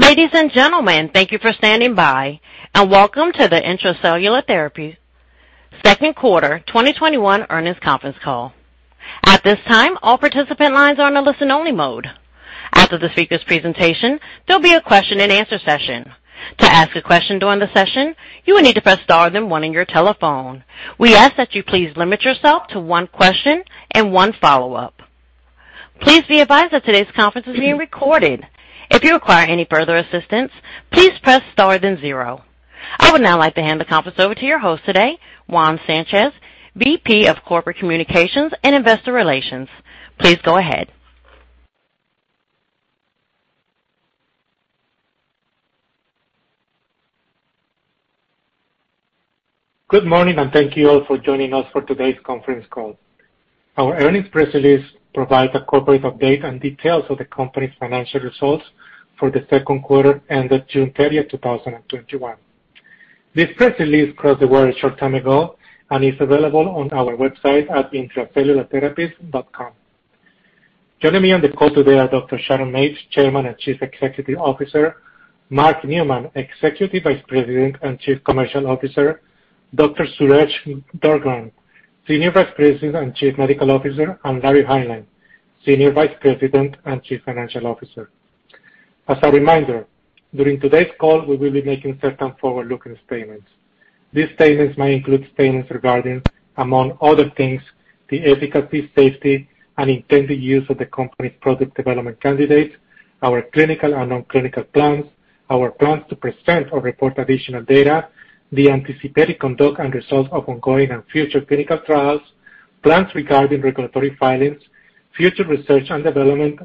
Ladies and gentlemen, thank you for standing by. Welcome to Intra-Cellular Therapies second quarter 2021 earnings conference call. At this time all participants lines are only listen mode after the speaker presentation there will be question-and-answer session to ask a question during session, you will need to press star then one on your telephone. We ask that you limit yourself to one question and one follow-up. Please be advised that today's conference is being recorded If you require any further assistance, please press star and zero. I would now like to hand the conference over to your host today, Juan Sanchez, VP of Corporate Communications and Investor Relations. Please go ahead. Good morning. Thank you all for joining us for today's conference call. Our earnings press release provides a corporate update and details of the company's financial results for the second quarter ended June 30th, 2021. This press release crossed the wire a short time ago and is available on our website at intracellulartherapies.com. Joining me on the call today are Dr. Sharon Mates, Chairman and Chief Executive Officer, Mark Neumann, Executive Vice President and Chief Commercial Officer, Dr. Suresh Durgam, Senior Vice President and Chief Medical Officer, and Larry Hineline, Senior Vice President and Chief Financial Officer. As a reminder, during today's call, we will be making certain forward-looking statements. These statements may include statements regarding, among other things, the efficacy, safety, and intended use of the company's product development candidates, our clinical and non-clinical plans, our plans to present or report additional data, the anticipated conduct and results of ongoing and future clinical trials, plans regarding regulatory filings, future research and development,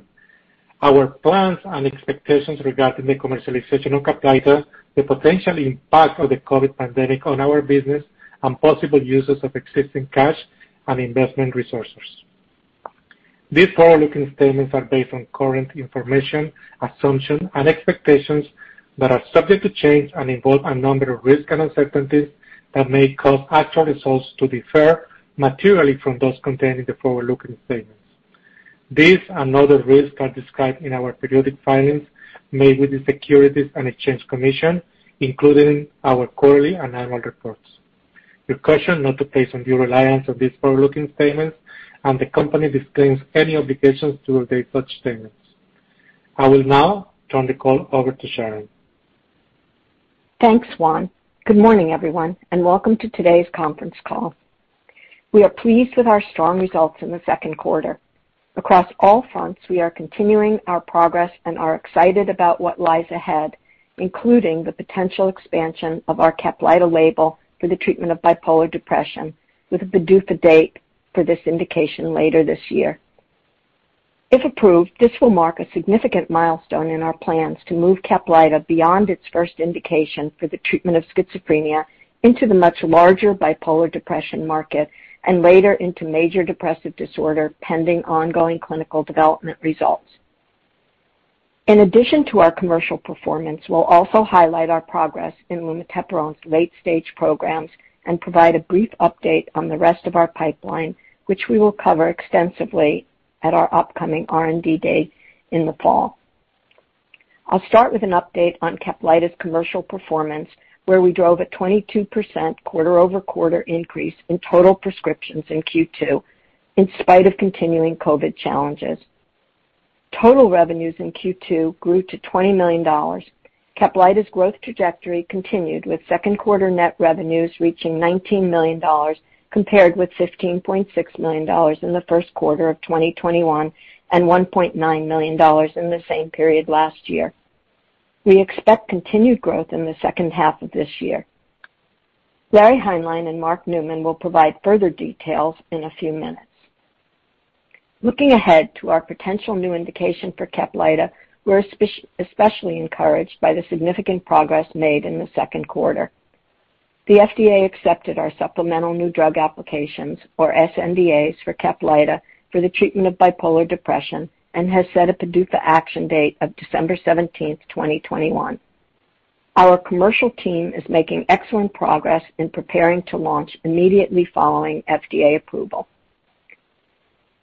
our plans and expectations regarding the commercialization of CAPLYTA, the potential impact of the COVID pandemic on our business, and possible uses of existing cash and investment resources. These forward-looking statements are based on current information, assumptions, and expectations that are subject to change and involve a number of risks and uncertainties that may cause actual results to differ materially from those contained in the forward-looking statements. These and other risks are described in our periodic filings made with the Securities and Exchange Commission, including our quarterly and annual reports. You're cautioned not to place undue reliance on these forward-looking statements, and the company disclaims any obligations to update such statements. I will now turn the call over to Sharon. Thanks, Juan. Good morning, everyone, welcome to today's conference call. We are pleased with our strong results in the second quarter. Across all fronts, we are continuing our progress and are excited about what lies ahead, including the potential expansion of our CAPLYTA label for the treatment of bipolar depression with a PDUFA date for this indication later this year. If approved, this will mark a significant milestone in our plans to move CAPLYTA beyond its first indication for the treatment of schizophrenia into the much larger bipolar depression market and later into major depressive disorder, pending ongoing clinical development results. In addition to our commercial performance, we'll also highlight our progress in lumateperone late-stage programs and provide a brief update on the rest of our pipeline, which we will cover extensively at our upcoming R&D day in the fall. I'll start with an update on CAPLYTA's commercial performance, where we drove a 22% quarter-over-quarter increase in total prescriptions in Q2 in spite of continuing COVID challenges. Total revenues in Q2 grew to $20 million. CAPLYTA's growth trajectory continued with second quarter net revenues reaching $19 million compared with $15.6 million in the first quarter of 2021 and $1.9 million in the same period last year. We expect continued growth in the second half of this year. Lawrence Hineline and Mark Neumann will provide further details in a few minutes. Looking ahead to our potential new indication for CAPLYTA, we're especially encouraged by the significant progress made in the second quarter. The FDA accepted our supplemental new drug applications, or sNDAs, for CAPLYTA for the treatment of bipolar depression and has set a PDUFA action date of December 17th, 2021. Our commercial team is making excellent progress in preparing to launch immediately following FDA approval.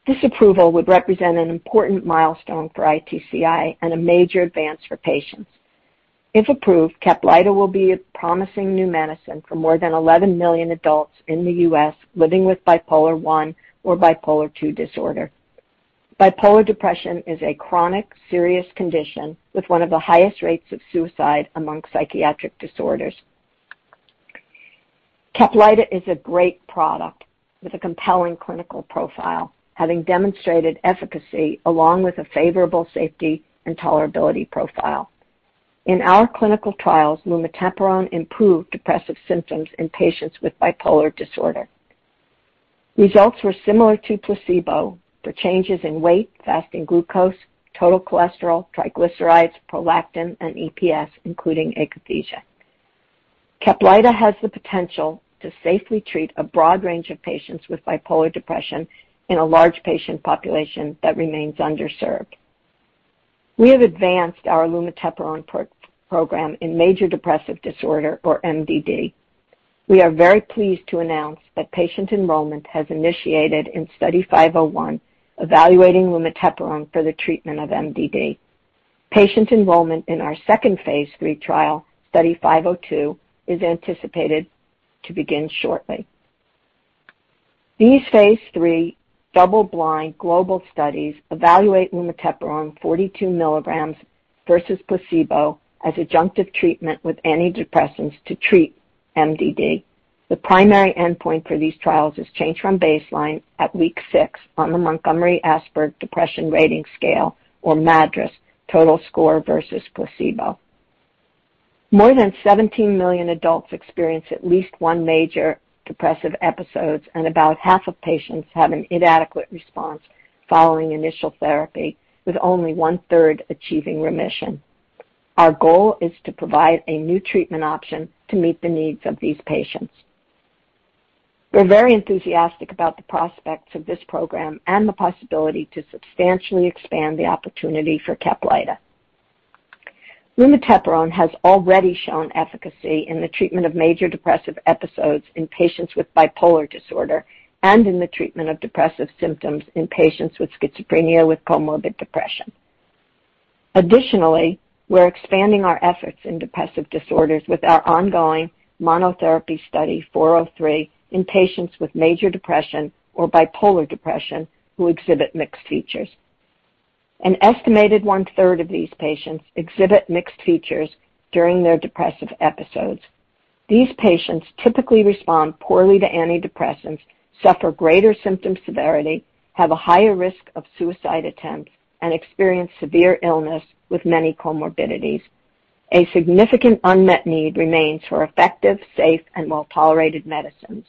This approval would represent an important milestone for ITCI and a major advance for patients. If approved, CAPLYTA will be a promising new medicine for more than 11 million adults in the U.S. living with bipolar II disorder. bipolar depression is a chronic, serious condition with one of the highest rates of suicide among psychiatric disorders. CAPLYTA is a great product with a compelling clinical profile, having demonstrated efficacy along with a favorable safety and tolerability profile. In our clinical trials, lumateperone improved depressive symptoms in patients with bipolar disorder. Results were similar to placebo for changes in weight, fasting glucose, total cholesterol, triglycerides, prolactin, and EPS, including akathisia. CAPLYTA has the potential to safely treat a broad range of patients with bipolar depression in a large patient population that remains underserved. We have advanced our lumateperone program in major depressive disorder, or MDD. We are very pleased to announce that patient enrollment has initiated in Study 501, evaluating lumateperone for the treatment of MDD. Patient enrollment in our second phase III trial, Study 502, is anticipated to begin shortly. These phase III double-blind global studies evaluate lumateperone 42 mg versus placebo as adjunctive treatment with antidepressants to treat MDD. The primary endpoint for these trials is changed from baseline at week six on the Montgomery-Åsberg Depression Rating Scale, or MADRS, total score versus placebo. More than 17 million adults experience at least one major depressive episode, and about half of patients have an inadequate response following initial therapy, with only one-third achieving remission. Our goal is to provide a new treatment option to meet the needs of these patients. We're very enthusiastic about the prospects of this program and the possibility to substantially expand the opportunity for CAPLYTA. lumateperone has already shown efficacy in the treatment of major depressive episodes in patients with bipolar disorder and in the treatment of depressive symptoms in patients with schizophrenia with comorbid depression. Additionally, we're expanding our efforts in depressive disorders with our ongoing monotherapy Study 403 in patients with major depression or bipolar depression who exhibit mixed features. An estimated one-third of these patients exhibit mixed features during their depressive episodes. These patients typically respond poorly to antidepressants, suffer greater symptom severity, have a higher risk of suicide attempts, and experience severe illness with many comorbidities. A significant unmet need remains for effective, safe, and well-tolerated medicines.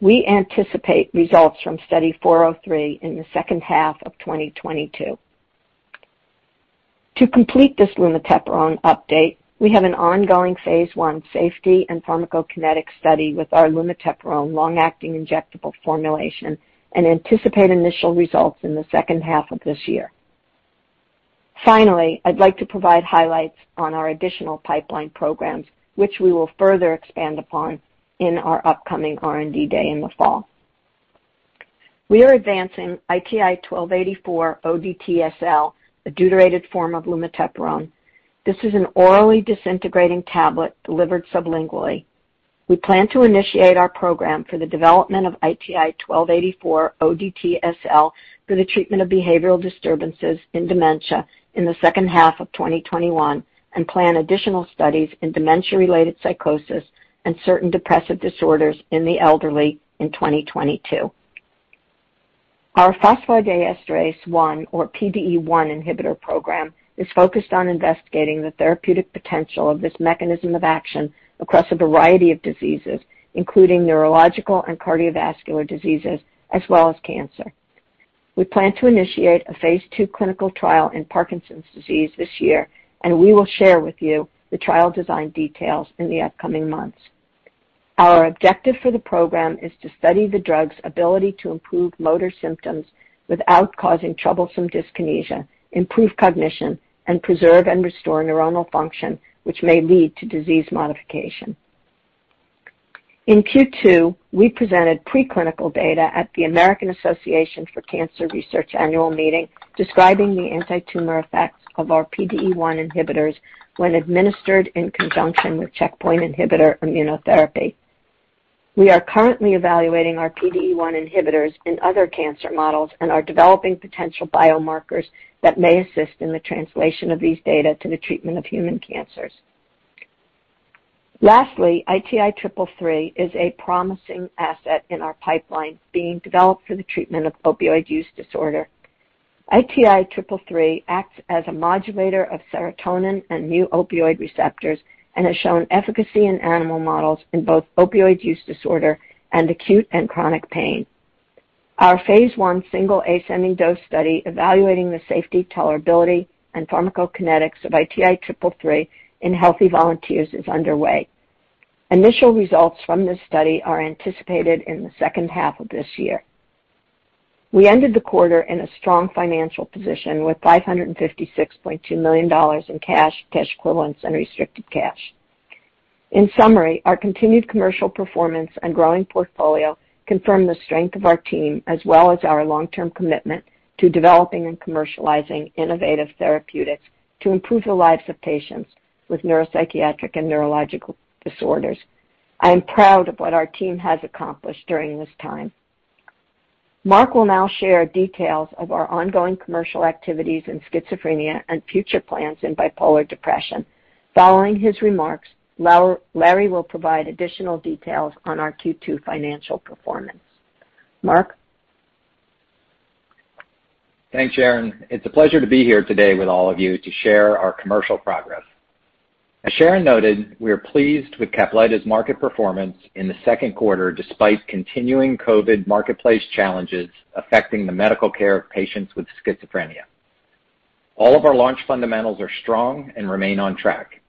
We anticipate results from Study 403 in the second half of 2022. To complete this lumateperone update, we have an ongoing phase I safety and pharmacokinetic study with our lumateperone long-acting injectable formulation and anticipate initial results in the second half of this year. I'd like to provide highlights on our additional pipeline programs, which we will further expand upon in our upcoming R&D Day in the fall. We are advancing ITI-1284 ODT-SL, a deuterated form of lumateperone. This is an orally disintegrating tablet delivered sublingually. We plan to initiate our program for the development of ITI-1284 ODT-SL for the treatment of behavioral disturbances in dementia in the second half of 2021, and plan additional studies in dementia-related psychosis and certain depressive disorders in the elderly in 2022. Our phosphodiesterase 1, or PDE1, inhibitor program is focused on investigating the therapeutic potential of this mechanism of action across a variety of diseases, including neurological and cardiovascular diseases, as well as cancer. We plan to initiate a phase II clinical trial in Parkinson's disease this year. We will share with you the trial design details in the upcoming months. Our objective for the program is to study the drug's ability to improve motor symptoms without causing troublesome dyskinesia, improve cognition, and preserve and restore neuronal function, which may lead to disease modification. In Q2, we presented pre-clinical data at the American Association for Cancer Research annual meeting describing the antitumor effects of our PDE1 inhibitors when administered in conjunction with checkpoint inhibitor immunotherapy. We are currently evaluating our PDE1 inhibitors in other cancer models and are developing potential biomarkers that may assist in the translation of these data to the treatment of human cancers. Lastly, ITI-333 is a promising asset in our pipeline being developed for the treatment of opioid use disorder. ITI-333 acts as a modulator of serotonin and [new opioid receptors] and has shown efficacy in animal models in both opioid use disorder and acute and chronic pain. Our phase I single ascending dose study evaluating the safety, tolerability, and pharmacokinetics of ITI-333 in healthy volunteers is underway. Initial results from this study are anticipated in the second half of this year. We ended the quarter in a strong financial position with $556.2 million in cash equivalents, and restricted cash. Our continued commercial performance and growing portfolio confirm the strength of our team, as well as our long-term commitment to developing and commercializing innovative therapeutics to improve the lives of patients with psychiatric and neurological disorders. I am proud of what our team has accomplished during this time. Mark will now share details of our ongoing commercial activities in schizophrenia and future plans in bipolar depression. Following his remarks, Larry will provide additional details on our Q2 financial performance. Mark? Thanks, Sharon. It's a pleasure to be here today with all of you to share our commercial progress. As Sharon noted, we are pleased with CAPLYTA's market performance in the second quarter, despite continuing COVID marketplace challenges affecting the medical care of patients with schizophrenia. All of our launch fundamentals are strong and remain on track.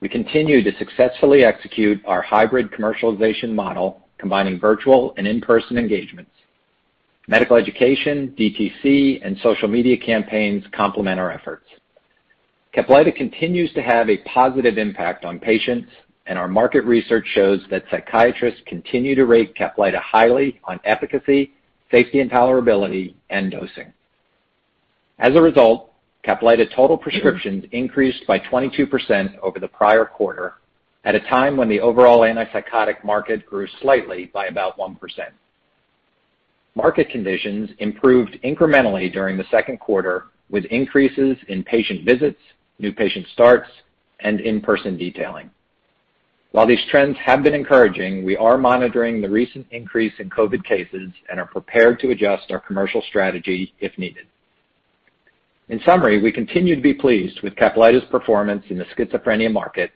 We continue to successfully execute our hybrid commercialization model, combining virtual and in-person engagements. Medical education, DTC, and social media campaigns complement our efforts. CAPLYTA continues to have a positive impact on patients, and our market research shows that psychiatrists continue to rate CAPLYTA highly on efficacy, safety and tolerability, and dosing. As a result, CAPLYTA total prescriptions increased by 22% over the prior quarter at a time when the overall antipsychotic market grew slightly by about 1%. Market conditions improved incrementally during the second quarter, with increases in patient visits, new patient starts, and in-person detailing. While these trends have been encouraging, we are monitoring the recent increase in COVID cases and are prepared to adjust our commercial strategy if needed. In summary, we continue to be pleased with CAPLYTA's performance in the schizophrenia market,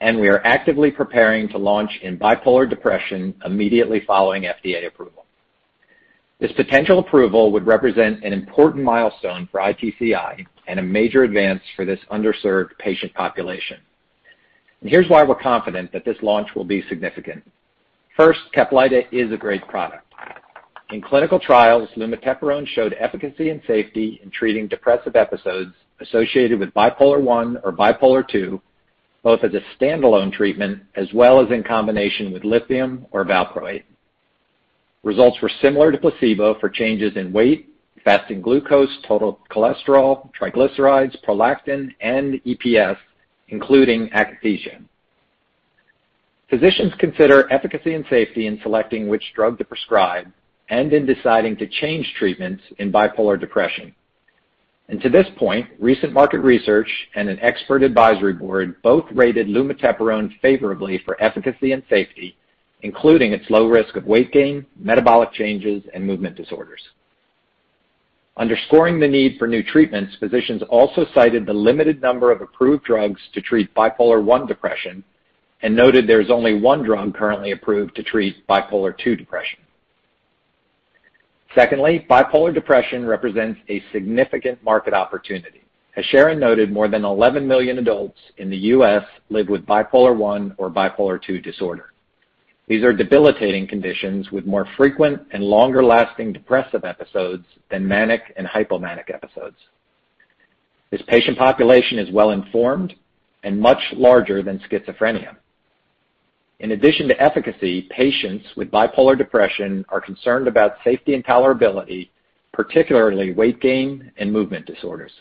and we are actively preparing to launch in bipolar depression immediately following FDA approval. This potential approval would represent an important milestone for ITCI and a major advance for this underserved patient population. Here's why we're confident that this launch will be significant. First, CAPLYTA is a great product. In clinical trials, lumateperone showed efficacy and safety in treating depressive episodes associated with bipolar II, both as a standalone treatment as well as in combination with lithium or valproate. Results were similar to placebo for changes in weight, fasting glucose, total cholesterol, triglycerides, prolactin, and EPS, including akathisia. Physicians consider efficacy and safety in selecting which drug to prescribe and in deciding to change treatments in bipolar depression. To this point, recent market research and an expert advisory board both rated lumateperone favorably for efficacy and safety, including its low risk of weight gain, metabolic changes, and movement disorders. Underscoring the need for new treatments, physicians also cited the limited number of approved drugs to treat bipolar I depression and noted there is only one drug currently approved bipolar II depression. secondly, bipolar depression represents a significant market opportunity. As Sharon noted, more than 11 million adults in the U.S. live with bipolar II disorder. these are debilitating conditions with more frequent and longer-lasting depressive episodes than manic and hypomanic episodes. This patient population is well-informed and much larger than schizophrenia. In addition to efficacy, patients with bipolar depression are concerned about safety and tolerability, particularly weight gain and movement disorders.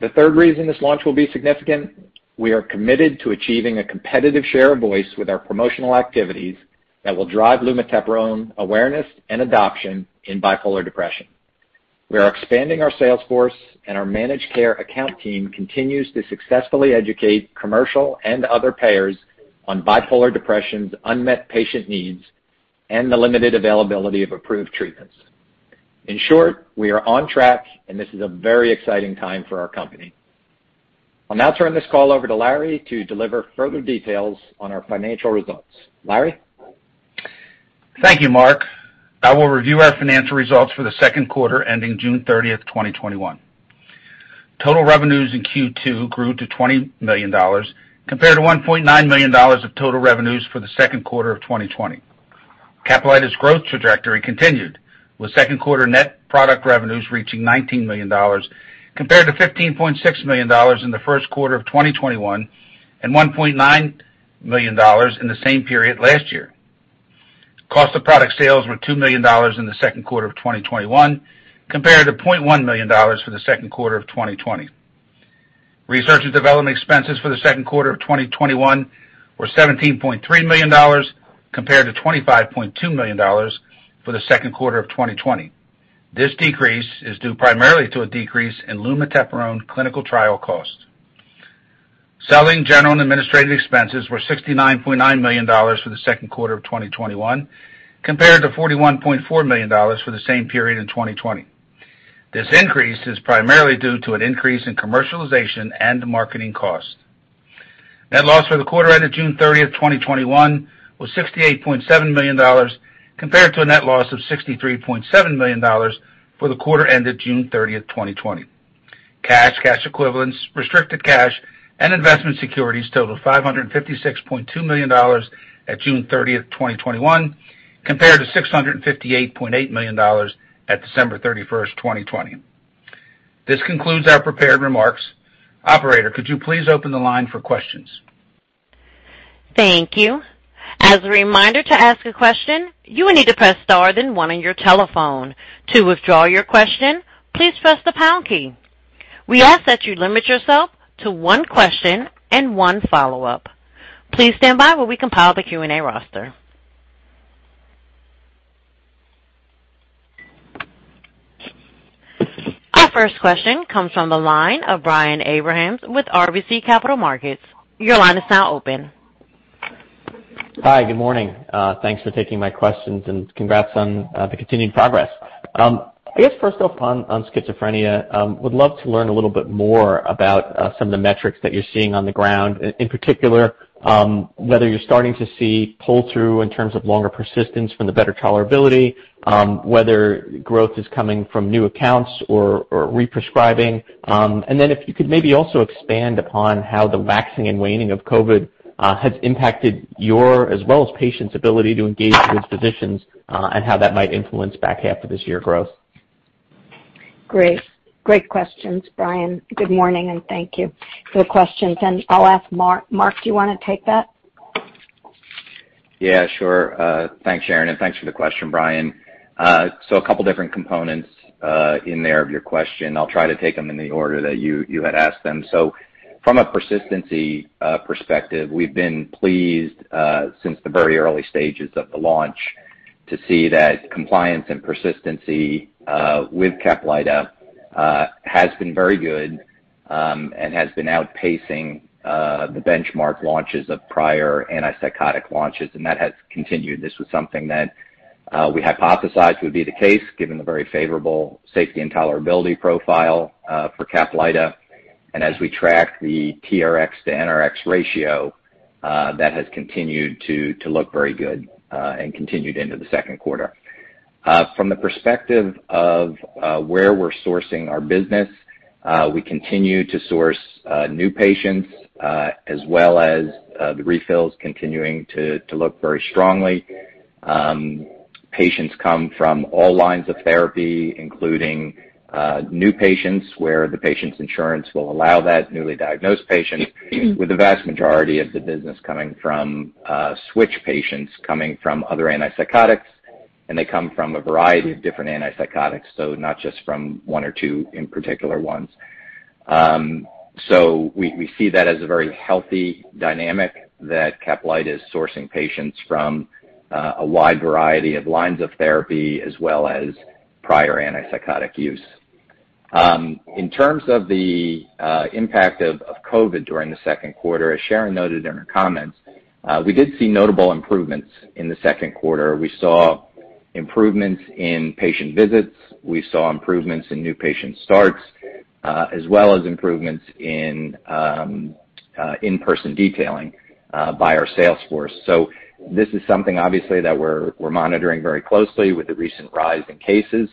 The third reason this launch will be significant. We are committed to achieving a competitive share of voice with our promotional activities that will drive lumateperone awareness and adoption in bipolar depression. We are expanding our sales force, and our managed care account team continues to successfully educate commercial and other payers on bipolar depression's unmet patient needs and the limited availability of approved treatments. In short, we are on track, and this is a very exciting time for our company. I'll now turn this call over to Larry to deliver further details on our financial results. Larry? Thank you, Mark. I will review our financial results for the second quarter ending June 30th, 2021. Total revenues in Q2 grew to $20 million compared to $1.9 million of total revenues for the second quarter of 2020. CAPLYTA's growth trajectory continued, with second quarter net product revenues reaching $19 million compared to $15.6 million in the first quarter of 2021 and $1.9 million in the same period last year. Cost of product sales were $2 million in the second quarter of 2021 compared to $0.1 million for the second quarter of 2020. Research and development expenses for the second quarter of 2021 were $17.3 million compared to $25.2 million for the second quarter of 2020. This decrease is due primarily to a decrease in lumateperone clinical trial costs. Selling, general, and administrative expenses were $69.9 million for the second quarter of 2021 compared to $41.4 million for the same period in 2020. This increase is primarily due to an increase in commercialization and marketing costs. Net loss for the quarter ended June 30th, 2021, was $68.7 million, compared to a net loss of $63.7 million for the quarter ended June 30th, 2020. Cash, cash equivalents, restricted cash, and investment securities totaled $556.2 million at June 30th, 2021, compared to $658.8 million at December 31st, 2020. This concludes our prepared remarks. Operator, could you please open the line for questions? Thank you. As a reminder, to ask a question, you will need to press star then one on your telephone. To withdraw your question, please press the pound key. We ask that you limit yourself to one question and one follow-up. Please stand by while we compile the Q&A roster. Our first question comes from the line of Brian Abrahams with RBC Capital Markets. Your line is now open. Hi. Good morning. Thanks for taking my questions, and congrats on the continued progress. I guess first off, on schizophrenia, would love to learn a little bit more about some of the metrics that you're seeing on the ground. In particular, whether you're starting to see pull-through in terms of longer persistence from the better tolerability, whether growth is coming from new accounts or re-prescribing. If you could maybe also expand upon how the waxing and waning of COVID has impacted your, as well as patients' ability to engage with physicians, and how that might influence back half of this year growth. Great questions, Brian. Good morning and thank you. Good questions. I'll ask Mark. Mark, do you want to take that? Yeah, sure. Thanks, Sharon, and thanks for the question, Brian. A couple different components in there of your question. I'll try to take them in the order that you had asked them. From a persistency perspective, we've been pleased since the very early stages of the launch to see that compliance and persistency with CAPLYTA has been very good and has been outpacing the benchmark launches of prior antipsychotic launches, and that has continued. This was something that we hypothesized would be the case given the very favorable safety and tolerability profile for CAPLYTA. As we track the TRx to NRx ratio, that has continued to look very good and continued into the second quarter. From the perspective of where we're sourcing our business, we continue to source new patients as well as the refills continuing to look very strongly. Patients come from all lines of therapy, including new patients, where the patient's insurance will allow that, newly diagnosed patients, with the vast majority of the business coming from switch patients coming from other antipsychotics. They come from a variety of different antipsychotics, not just from one or two in particular ones. We see that as a very healthy dynamic that CAPLYTA is sourcing patients from a wide variety of lines of therapy as well as prior antipsychotic use. In terms of the impact of COVID during the second quarter, as Sharon noted in her comments, we did see notable improvements in the second quarter. We saw improvements in patient visits, we saw improvements in new patient starts, as well as improvements in in-person detailing by our sales force. This is something, obviously, that we're monitoring very closely with the recent rise in cases.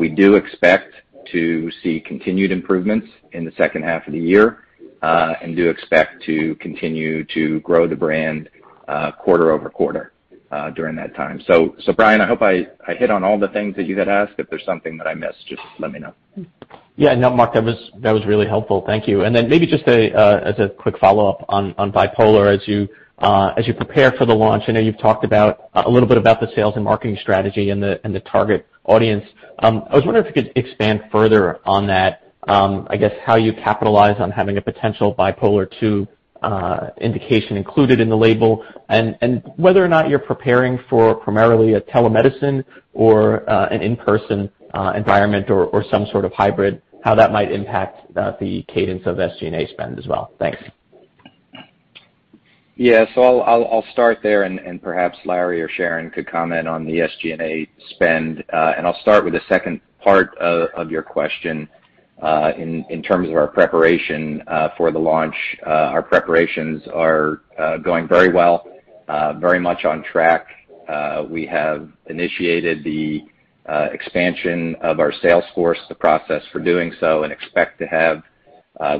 We do expect to see continued improvements in the second half of the year and do expect to continue to grow the brand quarter-over-quarter during that time. Brian, I hope I hit on all the things that you had asked. If there's something that I missed, just let me know. No, Mark, that was really helpful. Thank you. Maybe just as a quick follow-up on bipolar as you prepare for the launch. I know you've talked a little bit about the sales and marketing strategy and the target audience. I was wondering if you could expand further on that. I guess how you capitalize on having bipolar II indication included in the label, and whether or not you're preparing for primarily a telemedicine or an in-person environment or some sort of hybrid, how that might impact the cadence of SG&A spend as well. Thanks. I'll start there, perhaps Larry or Sharon could comment on the SG&A spend. I'll start with the second part of your question in terms of our preparation for the launch. Our preparations are going very well, very much on track. We have initiated the expansion of our sales force, the process for doing so, and expect to have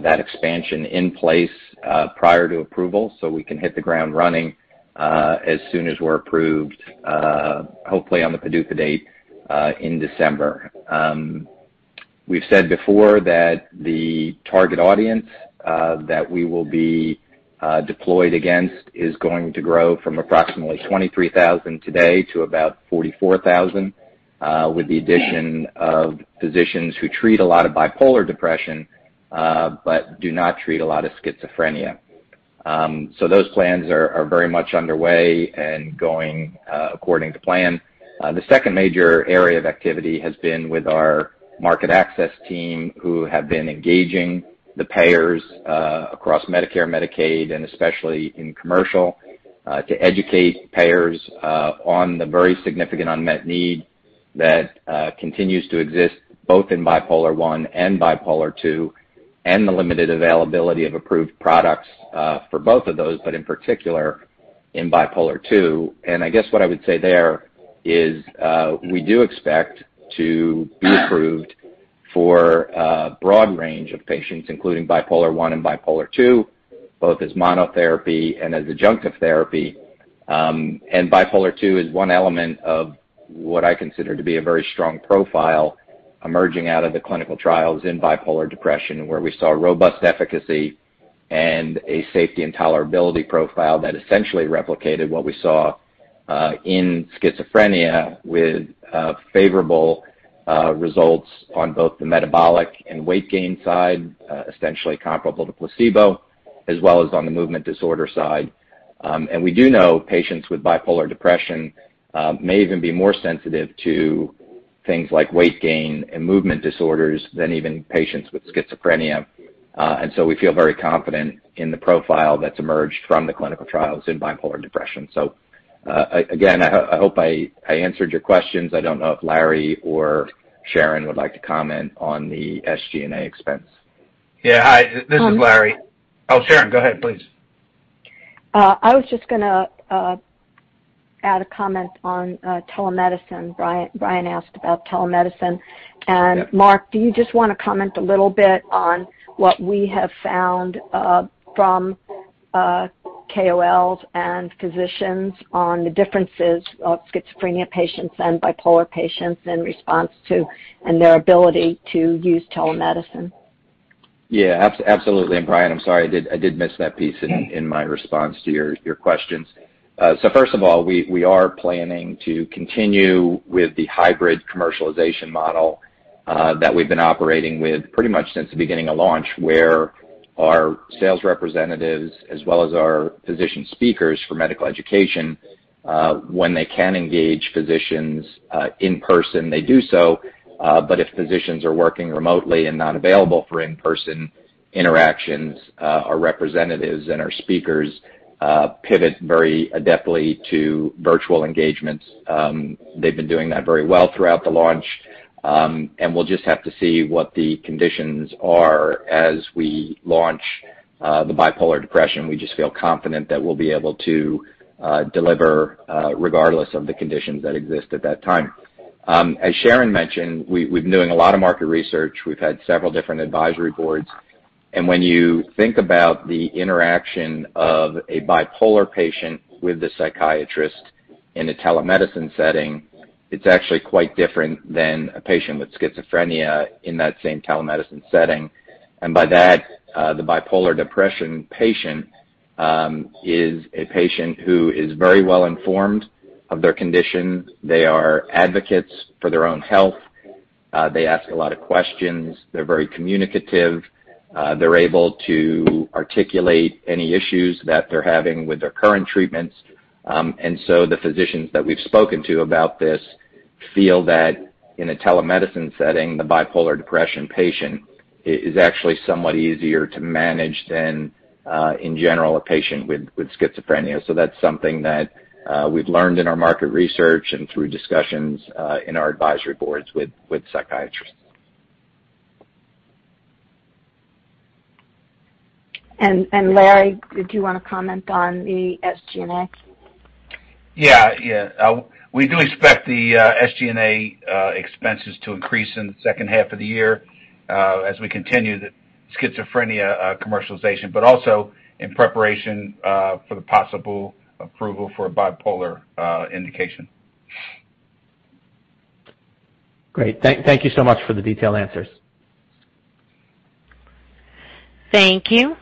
that expansion in place prior to approval so we can hit the ground running as soon as we're approved, hopefully on the PDUFA date in December. We've said before that the target audience that we will be deployed against is going to grow from approximately 23,000 today to about 44,000 with the addition of physicians who treat a lot of bipolar depression but do not treat a lot of schizophrenia. Those plans are very much underway and going according to plan. The second major area of activity has been with our market access team who have been engaging the payers across Medicare, Medicaid, and especially in commercial to educate payers on the very significant unmet need that continues to exist both in bipolar II and the limited availability of approved products for both of those, but in bipolar II. i guess what I would say there is we do expect to be approved for a broad range of patients, including bipolar II, both as monotherapy and as adjunctive therapy. bipolar II is one element of what I consider to be a very strong profile emerging out of the clinical trials in bipolar depression, where we saw robust efficacy and a safety and tolerability profile that essentially replicated what we saw in schizophrenia with favorable results on both the metabolic and weight gain side, essentially comparable to placebo, as well as on the movement disorder side. We do know patients with bipolar depression may even be more sensitive to things like weight gain and movement disorders than even patients with schizophrenia. We feel very confident in the profile that's emerged from the clinical trials in bipolar depression. Again, I hope I answered your questions. I don't know if Larry or Sharon would like to comment on the SG&A expense. Yeah. Hi, this is Larry. Oh, Sharon, go ahead, please. I was just going to add a comment on telemedicine. Brian asked about telemedicine. Yep. Mark, do you just want to comment a little bit on what we have found from KOLs and physicians on the differences of schizophrenia patients and bipolar patients in response to and their ability to use telemedicine? Yeah, absolutely. Brian, I'm sorry, I did miss that piece in my response to your questions. First of all, we are planning to continue with the hybrid commercialization model that we've been operating with pretty much since the beginning of launch, where our sales representatives as well as our physician speakers for medical education, when they can engage physicians in person, they do so. If physicians are working remotely and not available for in-person interactions, our representatives and our speakers pivot very adeptly to virtual engagements. They've been doing that very well throughout the launch. We'll just have to see what the conditions are as we launch the bipolar depression. We just feel confident that we'll be able to deliver, regardless of the conditions that exist at that time. As Sharon mentioned, we've been doing a lot of market research. We've had several different advisory boards. When you think about the interaction of a bipolar patient with a psychiatrist in a telemedicine setting, it's actually quite different than a patient with schizophrenia in that same telemedicine setting. By that, the bipolar depression patient is a patient who is very well-informed of their condition. They are advocates for their own health. They ask a lot of questions. They're very communicative. They're able to articulate any issues that they're having with their current treatments. The physicians that we've spoken to about this feel that in a telemedicine setting, the bipolar depression patient is actually somewhat easier to manage than, in general, a patient with schizophrenia. That's something that we've learned in our market research and through discussions in our advisory boards with psychiatrists. Larry, did you want to comment on the SG&A? We do expect the SG&A expenses to increase in the second half of the year as we continue the schizophrenia commercialization, but also in preparation for the possible approval for a bipolar Indication. Great. Thank you so much for the detailed answers. Thank you.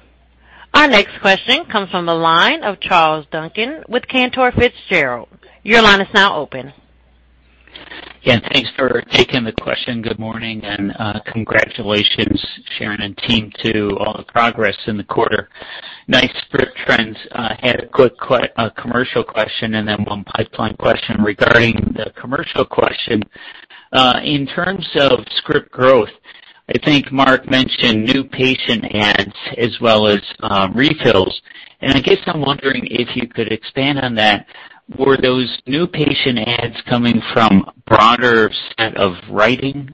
Our next question comes from the line of Charles Duncan with Cantor Fitzgerald. Your line is now open. Yeah, thanks for taking the question. Good morning, and congratulations, Sharon and team, to all the progress in the quarter. Nice script trends. I had a quick commercial question and then one pipeline question. Regarding the commercial question, in terms of script growth, I think Mark mentioned new patient adds as well as refills. I guess I'm wondering if you could expand on that. Were those new patient adds coming from a broader set of writing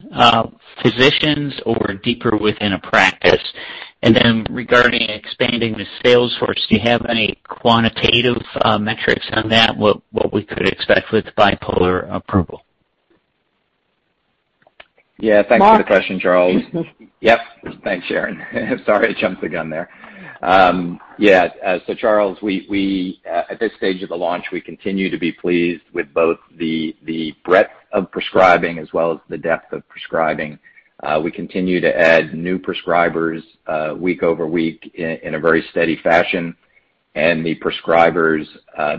physicians or deeper within a practice? Regarding expanding the sales force, do you have any quantitative metrics on that, what we could expect with bipolar approval? Yeah. Thanks for the question, Charles. Mark. Yep. Thanks, Sharon. Sorry, I jumped the gun there. Yeah. Charles, at this stage of the launch, we continue to be pleased with both the breadth of prescribing as well as the depth of prescribing. We continue to add new prescribers week over week in a very steady fashion. The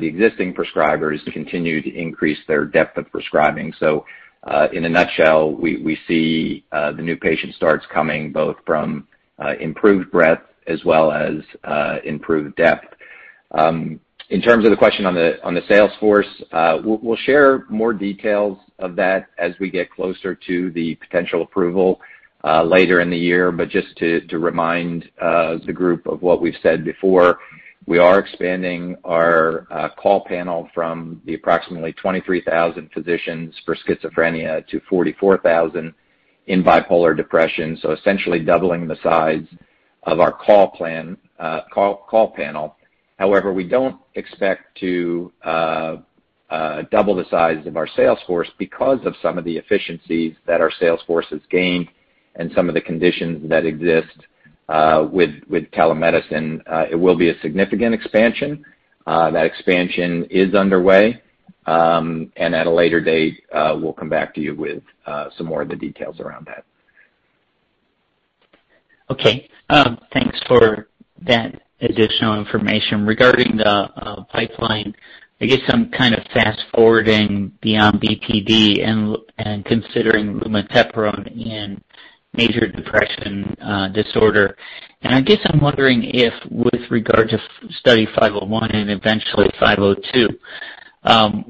existing prescribers continue to increase their depth of prescribing. In a nutshell, we see the new patient starts coming both from improved breadth as well as improved depth. In terms of the question on the sales force, we'll share more details of that as we get closer to the potential approval later in the year. Just to remind the group of what we've said before, we are expanding our call panel from the approximately 23,000 physicians for schizophrenia to 44,000 in bipolar depression. Essentially doubling the size of our call panel. However, we don't expect to double the size of our sales force because of some of the efficiencies that our sales force has gained and some of the conditions that exist with telemedicine. It will be a significant expansion. That expansion is underway. At a later date, we'll come back to you with some more of the details around that. Okay. Thanks for that additional information. Regarding the pipeline, I guess I'm kind of fast-forwarding beyond BPD and considering lumateperone in major depression disorder. I guess I'm wondering if, with regard to Study 501 and eventually 502,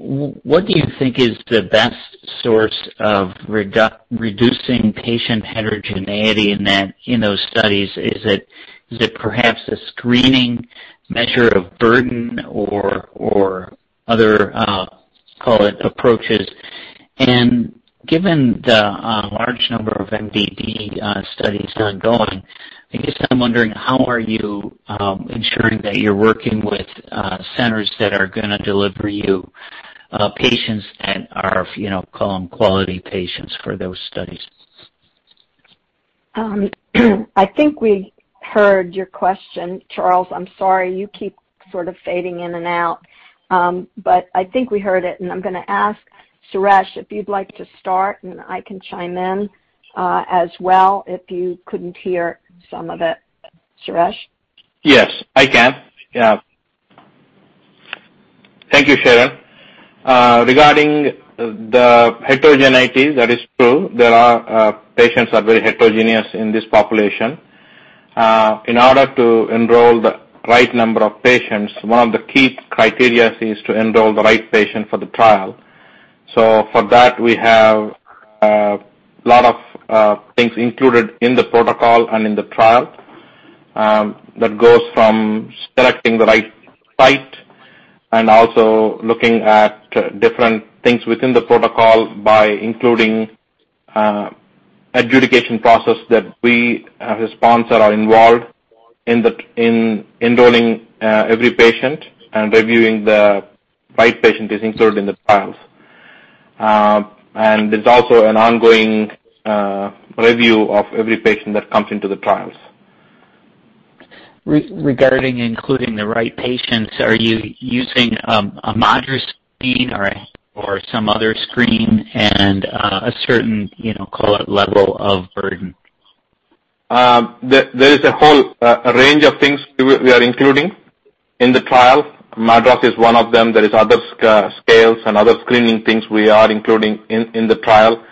what do you think is the best source of reducing patient heterogeneity in those studies? Is it perhaps a screening measure of burden or other, call it, approaches? Given the large number of MDD studies ongoing, I guess I'm wondering, how are you ensuring that you're working with centers that are going to deliver you patients that are quality patients for those studies? I think we heard your question, Charles. I'm sorry. You keep sort of fading in and out. I think we heard it, and I'm going to ask Suresh if you'd like to start, and I can chime in as well if you couldn't hear some of it. Suresh? Yes, I can. Thank you, Sharon. Regarding the heterogeneity, that is true. There are patients who are very heterogeneous in this population. In order to enroll the right number of patients, one of the key criteria is to enroll the right patient for the trial. For that, we have a lot of things included in the protocol and in the trial. That goes from selecting the right site and also looking at different things within the protocol by including adjudication process that we as a sponsor are involved in enrolling every patient and reviewing the right patient is included in the trials. There's also an ongoing review of every patient that comes into the trials. Regarding including the right patients, are you using a MADRS screen or some other screen and a certain, call it, level of burden? There is a whole range of things we are including in the trial. MADRS is one of them. There is other scales and other screening things we are including in the trial.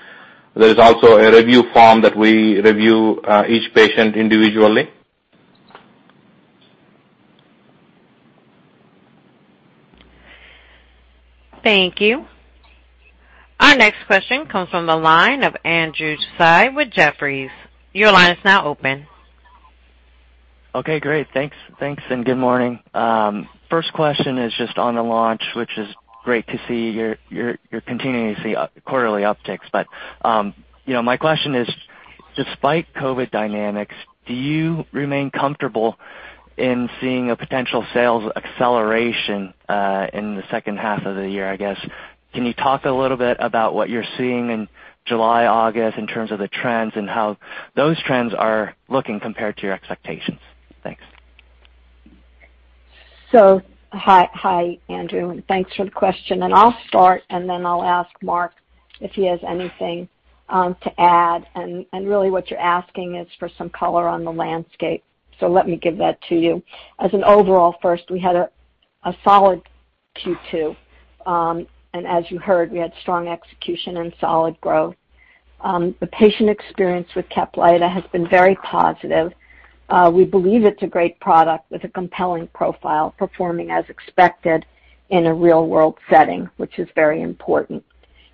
There is also a review form that we review each patient individually. Thank you. Our next question comes from the line of Andrew Tsai with Jefferies. Your line is now open. Okay, great. Thanks. Thanks and good morning. First question is just on the launch, which is great to see you're continuing to see quarterly upticks. My question is, despite COVID dynamics, do you remain comfortable in seeing a potential sales acceleration in the second half of the year, I guess? Can you talk a little bit about what you're seeing in July, August in terms of the trends and how those trends are looking compared to your expectations? Thanks. Hi, Andrew, and thanks for the question. I'll start, and then I'll ask Mark if he has anything to add. Really what you're asking is for some color on the landscape. Let me give that to you. As an overall first, we had a solid Q2. As you heard, we had strong execution and solid growth. The patient experience with CAPLYTA has been very positive. We believe it's a great product with a compelling profile, performing as expected in a real-world setting, which is very important.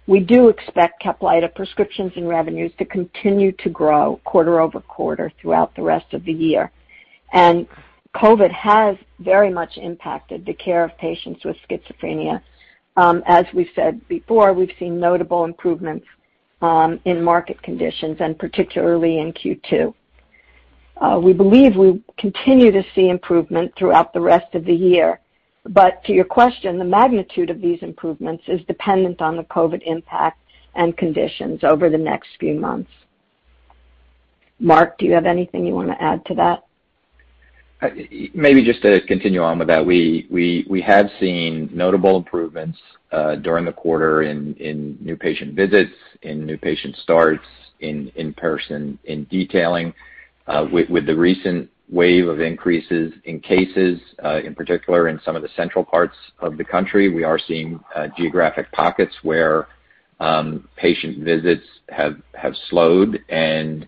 We do expect CAPLYTA prescriptions and revenues to continue to grow quarter-over-quarter throughout the rest of the year. COVID has very much impacted the care of patients with schizophrenia. As we've said before, we've seen notable improvements in market conditions and particularly in Q2. We believe we'll continue to see improvement throughout the rest of the year. To your question, the magnitude of these improvements is dependent on the COVID impact and conditions over the next few months. Mark, do you have anything you want to add to that? Maybe just to continue on with that. We have seen notable improvements during the quarter in new patient visits, in new patient starts, in in-person, in detailing. With the recent wave of increases in cases, in particular in some of the central parts of the country, we are seeing geographic pockets where patient visits have slowed and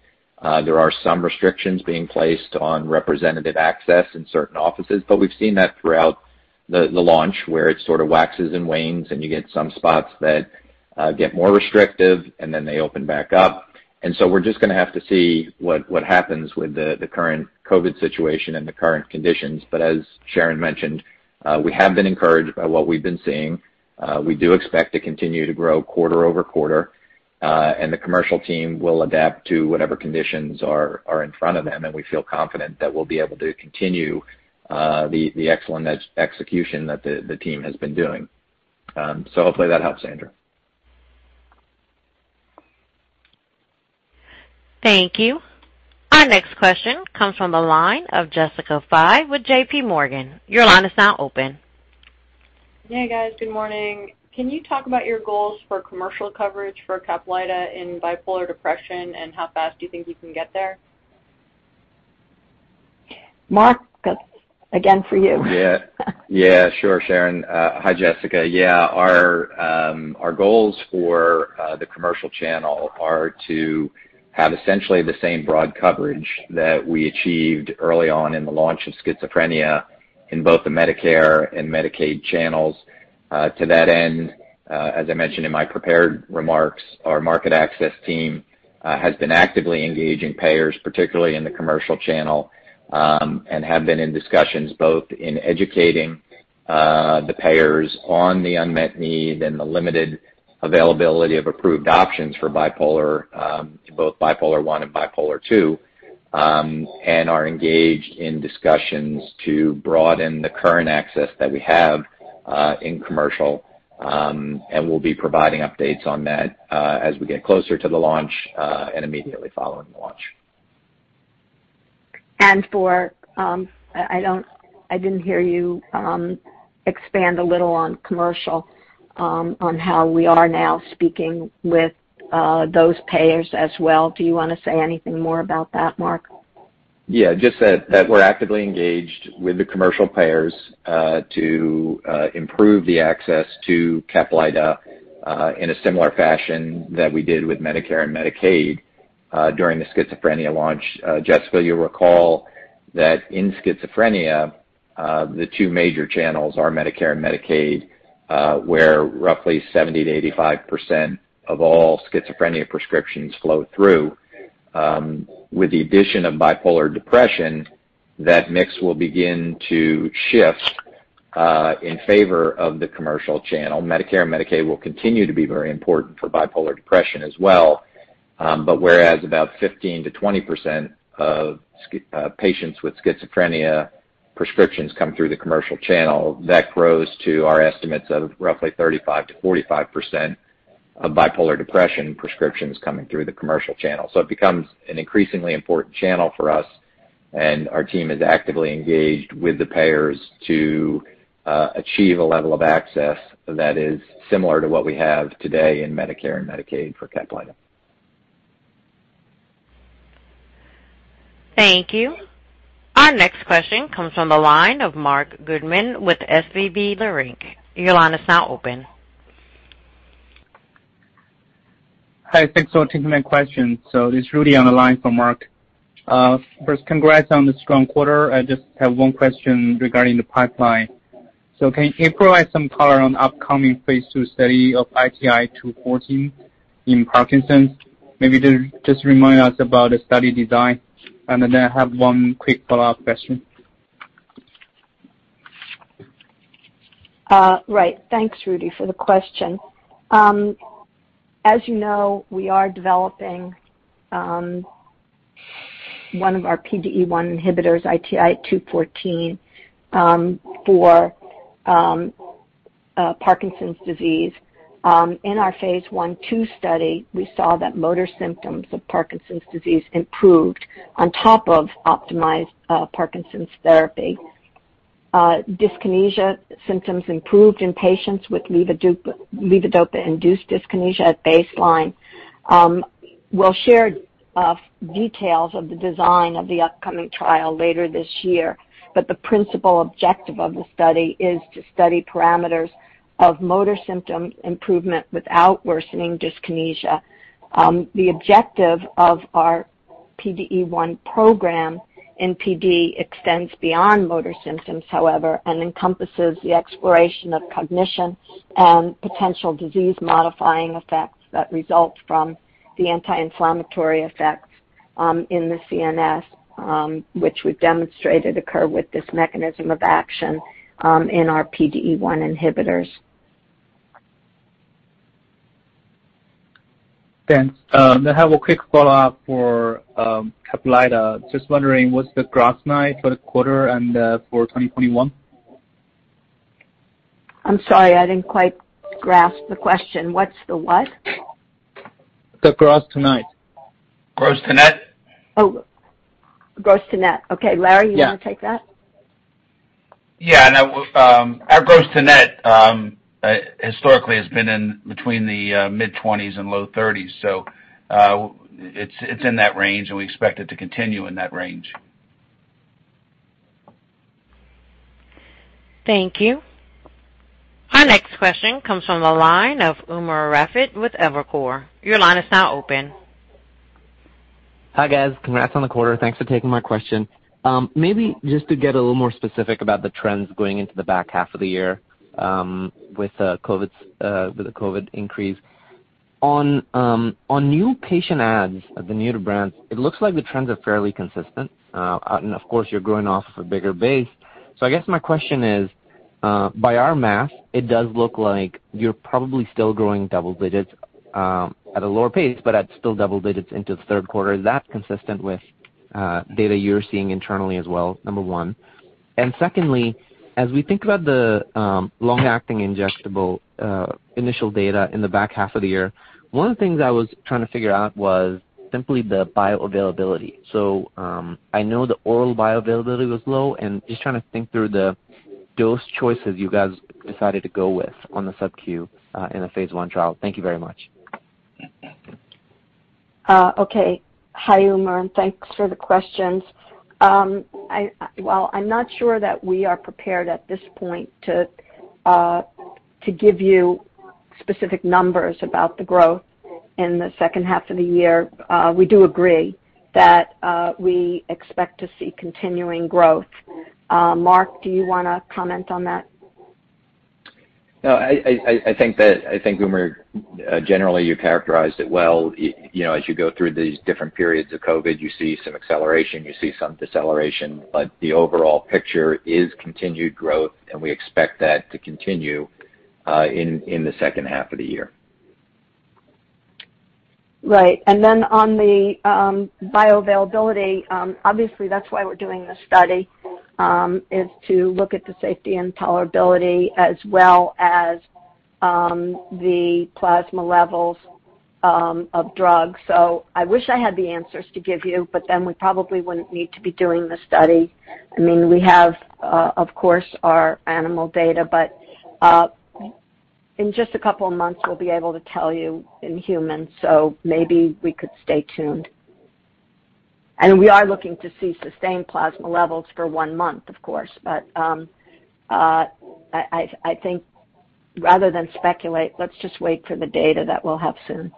there are some restrictions being placed on representative access in certain offices. We've seen that throughout the launch, where it sort of waxes and wanes, and you get some spots that get more restrictive, and then they open back up. We're just going to have to see what happens with the current COVID situation and the current conditions. As Sharon mentioned, we have been encouraged by what we've been seeing. We do expect to continue to grow quarter-over-quarter. The commercial team will adapt to whatever conditions are in front of them, and we feel confident that we'll be able to continue the excellent execution that the team has been doing. Hopefully that helps, Andrew. Thank you. Our next question comes from the line of Jessica Fye with JPMorgan. Your line is now open. Hey, guys. Good morning. Can you talk about your goals for commercial coverage for CAPLYTA in bipolar depression, and how fast do you think you can get there? Mark, that's again for you. Yeah. Sure, Sharon. Hi, Jessica. Yeah. Our goals for the commercial channel are to have essentially the same broad coverage that we achieved early on in the launch of schizophrenia in both the Medicare and Medicaid channels. To that end, as I mentioned in my prepared remarks, our market access team has been actively engaging payers, particularly in the commercial channel, and have been in discussions both in educating the payers on the unmet need and the limited availability of approved options for both bipolar II. are engaged in discussions to broaden the current access that we have in commercial, and we'll be providing updates on that as we get closer to the launch and immediately following the launch. I didn't hear you expand a little on commercial, on how we are now speaking with those payers as well. Do you want to say anything more about that, Mark? We're actively engaged with the commercial payers to improve the access to CAPLYTA in a similar fashion that we did with Medicare and Medicaid during the schizophrenia launch. Jessica, you'll recall that in schizophrenia, the two major channels are Medicare and Medicaid, where roughly 70%-85% of all schizophrenia prescriptions flow through. With the addition of bipolar depression, that mix will begin to shift in favor of the commercial channel. Medicare and Medicaid will continue to be very important for bipolar depression as well. Whereas about 15%-20% of patients with schizophrenia prescriptions come through the commercial channel, that grows to our estimates of roughly 35%-45% of bipolar depression prescriptions coming through the commercial channel. It becomes an increasingly important channel for us, and our team is actively engaged with the payers to achieve a level of access that is similar to what we have today in Medicare and Medicaid for CAPLYTA. Thank you. Our next question comes from the line of Marc Goodman with SVB Leerink. Your line is now open. Hi, thanks for taking my question. This is Rudy on the line for Marc. First, congrats on the strong quarter. I just have one question regarding the pipeline. Can you provide some color on upcoming phase II study of ITI-214 in Parkinson's? Maybe just remind us about the study design. I have one quick follow-up question. Thanks, Rudy, for the question. As you know, we are developing one of our PDE1 inhibitors, ITI-214, for Parkinson's disease. In our phase I/II study, we saw that motor symptoms of Parkinson's disease improved on top of optimized Parkinson's therapy. Dyskinesia symptoms improved in patients with levodopa-induced dyskinesia at baseline. We'll share details of the design of the upcoming trial later this year. The principal objective of the study is to study parameters of motor symptom improvement without worsening dyskinesia. The objective of our PDE1 program in PD extends beyond motor symptoms, however, and encompasses the exploration of cognition and potential disease-modifying effects that result from the anti-inflammatory effects in the CNS, which we've demonstrated occur with this mechanism of action in our PDE1 inhibitors. Thanks. I have a quick follow-up for CAPLYTA. Just wondering, what's the gross to net for the quarter and for 2021? I'm sorry, I didn't quite grasp the question. What's the what? The gross to net. Gross to net? Oh, gross to net. Okay. Larry. Yeah. You want to take that? Yeah. Our gross to net historically has been in between the mid 20s and low 30s. It's in that range, and we expect it to continue in that range. Thank you. Our next question comes from the line of Umer Raffat with Evercore. Your line is now open. Hi, guys. Congrats on the quarter. Thanks for taking my question. Maybe just to get a little more specific about the trends going into the back half of the year with the COVID increase. On new patient adds of the newer brands, it looks like the trends are fairly consistent. Of course, you're growing off of a bigger base. I guess my question is, by our math, it does look like you're probably still growing double digits at a lower pace, but at still double digits into the third quarter. Is that consistent with data you're seeing internally as well, number one? Secondly, as we think about the long-acting injectable initial data in the back half of the year, one of the things I was trying to figure out was simply the bioavailability. I know the oral bioavailability was low, and just trying to think through the dose choices you guys decided to go with on the sub-Q in a phase I trial. Thank you very much. Okay. Hi, Umer, and thanks for the questions. While I'm not sure that we are prepared at this point to give you specific numbers about the growth in the second half of the year, we do agree that we expect to see continuing growth. Mark, do you want to comment on that? No. I think, Umer, generally you characterized it well. As you go through these different periods of COVID, you see some acceleration, you see some deceleration. The overall picture is continued growth, and we expect that to continue in the second half of the year. Right. On the bioavailability, obviously that's why we're doing this study, is to look at the safety and tolerability as well as the plasma levels of drugs. I wish I had the answers to give you, we probably wouldn't need to be doing the study. We have, of course, our animal data, but in just a couple of months, we'll be able to tell you in humans. Maybe we could stay tuned. We are looking to see sustained plasma levels for one month, of course. I think rather than speculate, let's just wait for the data that we'll have soon.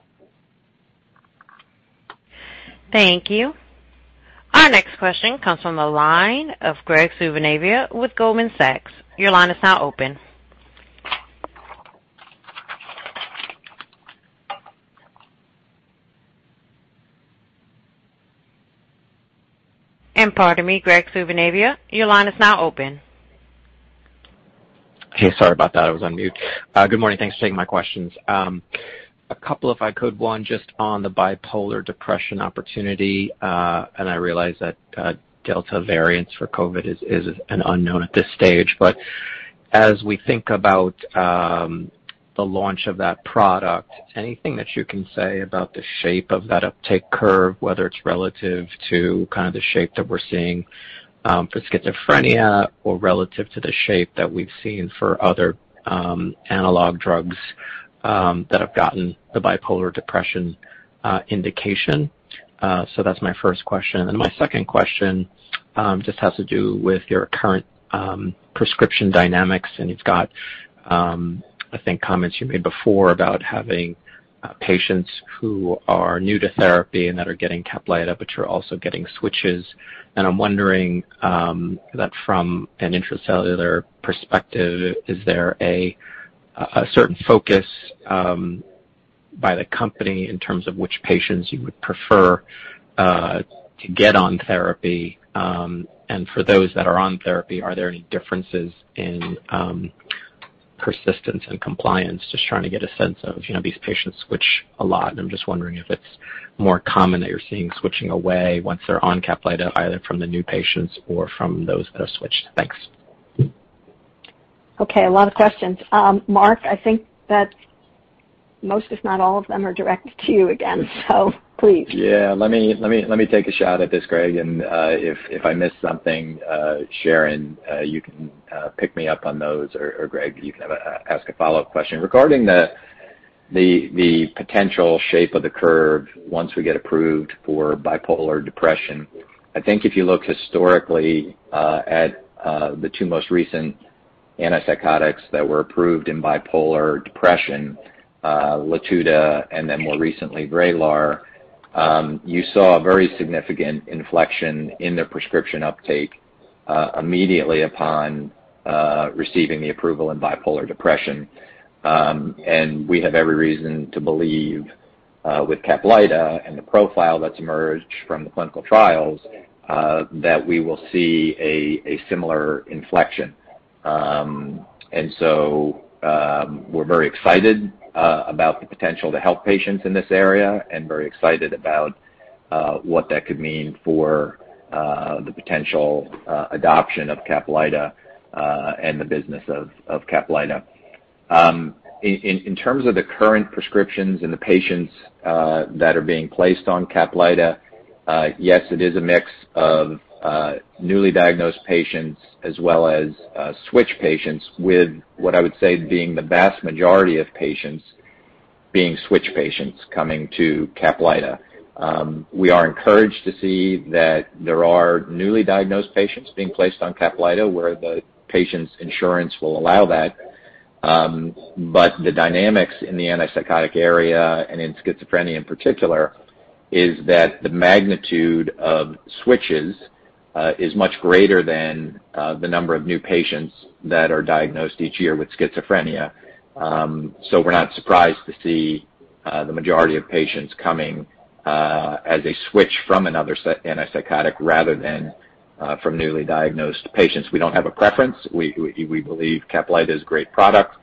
Thank you. Our next question comes from the line of Graig Suvannavejh with Goldman Sachs. Your line is now open. Pardon me, Graig Suvannavejh, your line is now open. Hey, sorry about that. I was on mute. Good morning. Thanks for taking my questions. A couple, if I could. One, just on the bipolar depression opportunity. I realize that delta variants for COVID is an unknown at this stage. As we think about the launch of that product, anything that you can say about the shape of that uptake curve, whether it's relative to kind of the shape that we're seeing for schizophrenia or relative to the shape that we've seen for other analog drugs that have gotten the bipolar depression indication? That's my first question. My second question just has to do with your current prescription dynamics. You've got I think comments you made before about having patients who are new to therapy and that are getting CAPLYTA but you're also getting switches. I'm wondering that from an Intra-Cellular Therapies perspective, is there a certain focus by the company in terms of which patients you would prefer to get on therapy? For those that are on therapy, are there any differences in persistence and compliance? Just trying to get a sense of these patients switch a lot, I'm just wondering if it's more common that you're seeing switching away once they're on CAPLYTA, either from the new patients or from those that have switched. Thanks. Okay. A lot of questions. Mark, I think that most, if not all of them are directed to you again, so please. Let me take a shot at this, Graig. If I miss something, Sharon, you can pick me up on those or Graig, you can ask a follow-up question. Regarding the potential shape of the curve once we get approved for bipolar depression, I think if you look historically at the two most recent antipsychotics that were approved in bipolar depression, LATUDA and then more recently VRAYLAR, you saw a very significant inflection in their prescription uptake immediately upon receiving the approval in bipolar depression. We have every reason to believe with CAPLYTA and the profile that's emerged from the clinical trials, that we will see a similar inflection. So we're very excited about the potential to help patients in this area and very excited about what that could mean for the potential adoption of CAPLYTA and the business of CAPLYTA. In terms of the current prescriptions and the patients that are being placed on CAPLYTA, yes, it is a mix of newly diagnosed patients as well as switch patients with what I would say being the vast majority of patients being switch patients coming to CAPLYTA. We are encouraged to see that there are newly diagnosed patients being placed on CAPLYTA where the patient's insurance will allow that. The dynamics in the antipsychotic area and in schizophrenia in particular, is that the magnitude of switches is much greater than the number of new patients that are diagnosed each year with schizophrenia. We're not surprised to see the majority of patients coming as a switch from another antipsychotic rather than from newly diagnosed patients. We don't have a preference. We believe CAPLYTA is a great product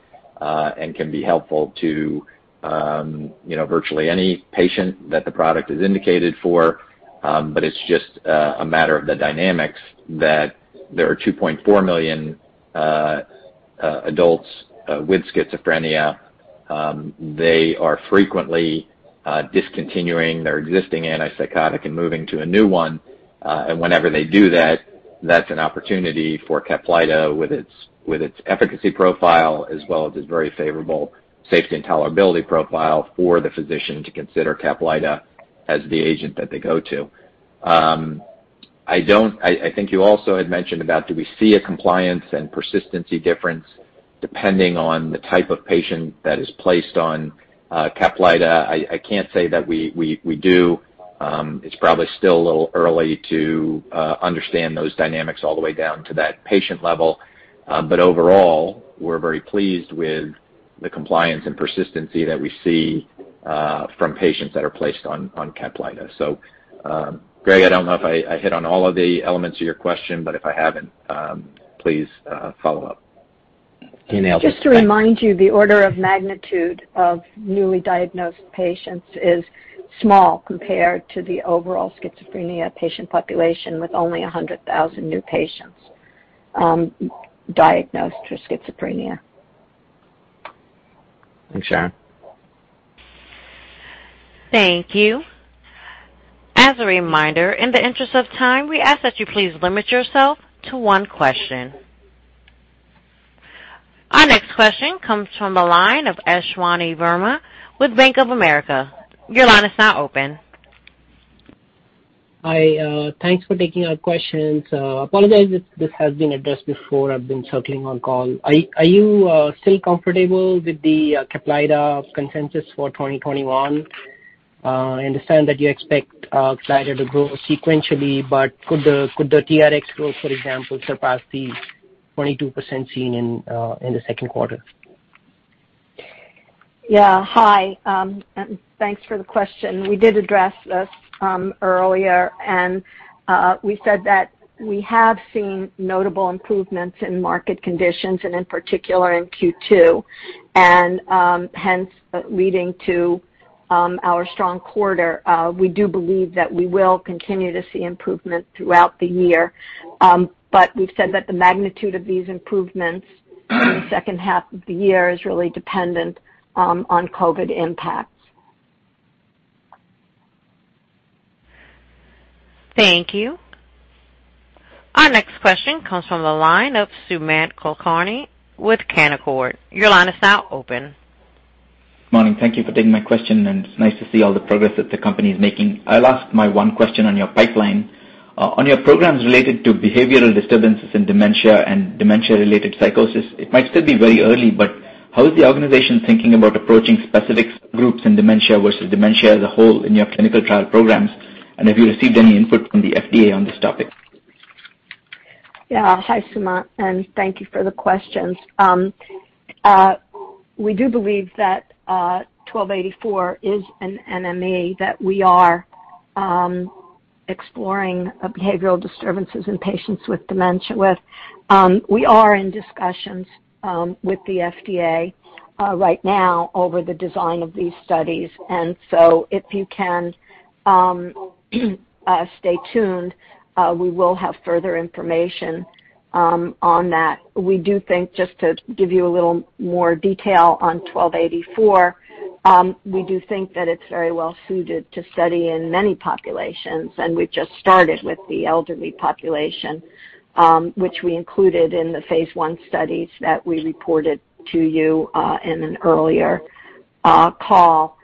and can be helpful to virtually any patient that the product is indicated for. It's just a matter of the dynamics that there are 2.4 million adults with schizophrenia. They are frequently discontinuing their existing antipsychotic and moving to a new one. Whenever they do that's an opportunity for CAPLYTA with its efficacy profile as well as its very favorable safety and tolerability profile for the physician to consider CAPLYTA as the agent that they go to. I think you also had mentioned about do we see a compliance and persistency difference depending on the type of patient that is placed on CAPLYTA. I can't say that we do. It's probably still a little early to understand those dynamics all the way down to that patient level. Overall, we're very pleased with the compliance and persistency that we see from patients that are placed on CAPLYTA. Graig, I don't know if I hit on all of the elements of your question, but if I haven't, please follow up. Just to remind you, the order of magnitude of newly diagnosed patients is small compared to the overall schizophrenia patient population, with only 100,000 new patients diagnosed with schizophrenia. Thanks, Sharon. Thank you. As a reminder, in the interest of time, we ask that you please limit yourself to one question. Our next question comes from the line of Ashwani Verma with Bank of America. Your line is now open. Hi. Thanks for taking our question. Apologize if this has been addressed before, I've been circling on call. Are you still comfortable with the CAPLYTA consensus for 2021? I understand that you expect CAPLYTA to grow sequentially, but could the TRx growth, for example, surpass the 22% seen in the second quarter? Yeah. Hi. Thanks for the question. We did address this earlier. We said that we have seen notable improvements in market conditions, in particular in Q2, hence leading to our strong quarter. We've said that the magnitude of these improvements in the second half of the year is really dependent on COVID impacts. Thank you. Our next question comes from the line of Sumant Kulkarni with Canaccord. Your line is now open. Morning. Thank you for taking my question, and it is nice to see all the progress that the company is making. I will ask my one question on your pipeline. On your programs related to behavioral disturbances in dementia and dementia-related psychosis, it might still be very early, but how is the organization thinking about approaching specific groups in dementia versus dementia as a whole in your clinical trial programs? Have you received any input from the FDA on this topic? Yeah. Hi, Sumant, thank you for the questions. We do believe that ITI-1284 is an NME that we are exploring behavioral disturbances in patients with dementia with. We are in discussions with the FDA right now over the design of these studies. If you can stay tuned, we will have further information on that. We do think, just to give you a little more detail on ITI-1284, we do think that it's very well suited to study in many populations, and we've just started with the elderly population, which we included in the phase I studies that we reported to you in an earlier call.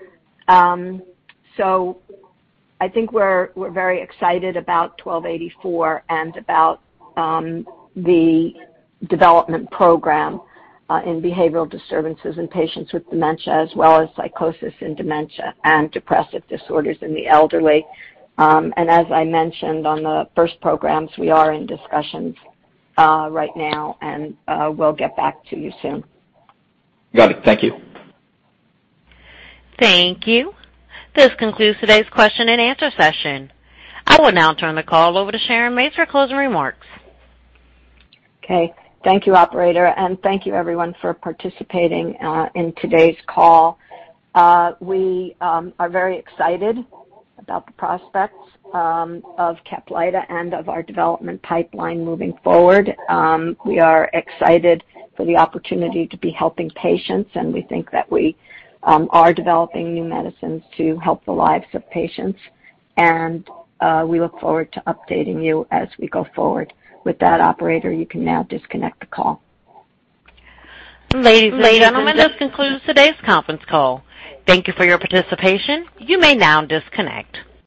I think we're very excited about ITI-1284 and about the development program in behavioral disturbances in patients with dementia, as well as psychosis in dementia and depressive disorders in the elderly. As I mentioned on the first programs, we are in discussions right now, and we'll get back to you soon. Got it. Thank you. Thank you. This concludes today's question-and-answer session. I will now turn the call over to Sharon Mates for closing remarks. Okay. Thank you, operator, and thank you everyone for participating in today's call. We are very excited about the prospects of CAPLYTA and of our development pipeline moving forward. We are excited for the opportunity to be helping patients, and we think that we are developing new medicines to help the lives of patients. We look forward to updating you as we go forward. With that, operator, you can now disconnect the call. Ladies and gentlemen, this concludes today's conference call. Thank you for your participation. You may now disconnect.